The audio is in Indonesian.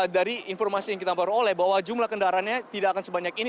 dari informasi yang kita peroleh bahwa jumlah kendaraannya tidak akan sebanyak ini